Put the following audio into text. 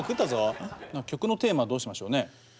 曲のテーマどうしましょうね。